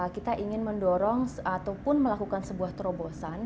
kita ingin mendorong ataupun melakukan sebuah terobosan